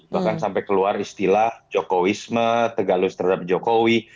bahkan sampai keluar istilah jokowisme tegalus terhadap jokowi